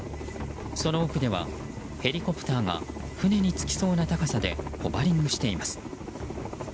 その奥ではヘリコプターが船につきそうな高さでホバリングしています。